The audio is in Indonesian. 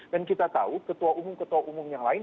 dan kita tahu ketua umum ketua umum yang lain